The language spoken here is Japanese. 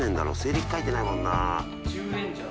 称書いてないもんな。